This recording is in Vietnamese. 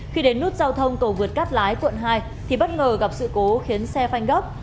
khi đến nút giao thông cầu vượt cắt lái cuộn hai thì bất ngờ gặp sự cố khiến xe phanh góp